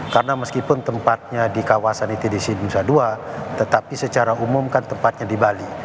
karena meskipun tempatnya di kawasan itdc bungsa dua tetapi secara umum kan tempatnya di bali